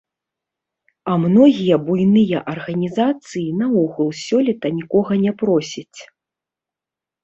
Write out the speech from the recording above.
А многія буйныя арганізацыі наогул сёлета нікога не просяць.